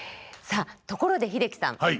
さあところで英樹さん。